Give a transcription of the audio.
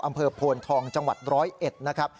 อำเภอโพนทองจังหวัด๑๐๑นะครับ